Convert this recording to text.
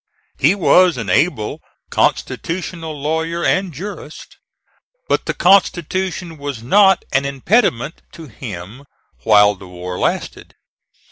He was an able constitutional lawyer and jurist; but the Constitution was not an impediment to him while the war lasted.